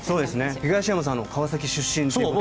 東山さんが川崎出身ということで。